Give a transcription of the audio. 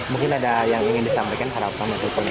mungkin ada yang ingin disampaikan harapan atau penyokongan